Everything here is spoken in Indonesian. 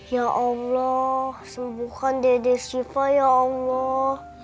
ya allah sembuhkan dede sifah ya allah